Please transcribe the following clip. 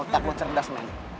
otak lu cerdas men